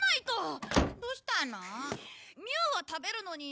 どうしたの？